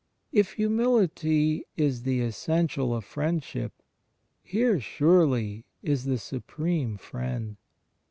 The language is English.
If Himiility is the essential of friendship, here, surely, is the Supreme Friend.